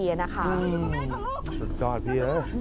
สาธุฟังแม่